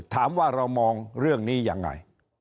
ถามว่าเรามองเรื่องนี้ยังไง